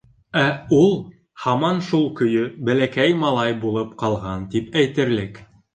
Ә ул һаман шул көйө, бәләкәй малай булып ҡалған тип әйтерлек.